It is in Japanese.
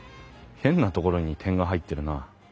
変なところに点が入ってるな。